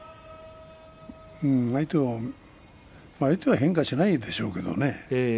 相手は変化しないでしょうけどね。